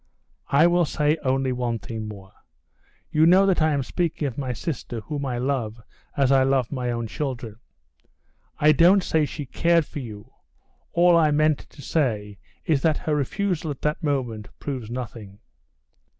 "I will only say one thing more: you know that I am speaking of my sister, whom I love as I love my own children. I don't say she cared for you, all I meant to say is that her refusal at that moment proves nothing."